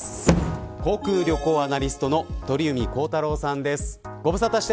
航空・旅行アナリストの鳥海高太朗さんです。